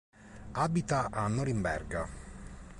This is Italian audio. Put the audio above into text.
Abita a Norimberga.